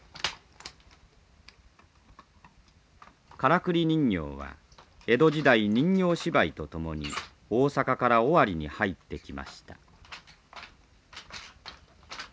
からくり人形は江戸時代人形芝居とともに大坂から尾張に入ってきました。